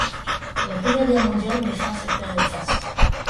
La Première Guerre mondiale met fin à cette période faste.